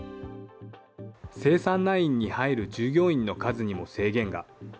生産ラインに入る従業員の数にも制限が。